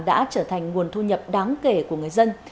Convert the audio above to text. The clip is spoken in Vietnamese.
đã trở thành nguồn thu nhập đáng kể của người dân